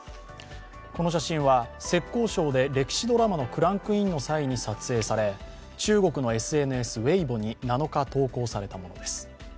この写真は、浙江省で歴史ドラマのクランクインの際に撮影され中国のＳＮＳ、Ｗｅｉｂｏに７日投稿されたものです。